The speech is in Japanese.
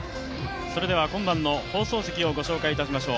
それでは今晩の放送席を御紹介いたしましょう。